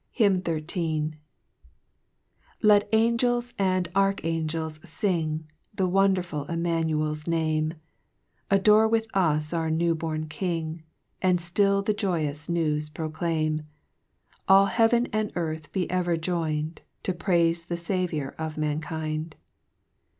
A 6 HYMN" ( 12 ) HYMN XUI. 1 "M" ET angels and archangels fing, JLi The wonderful Immanucl's Name, Adore with us our new born King. Aud dill the joyful news proclaim : All heaven and earth be ever join'd, To praife the Saviour of mankind.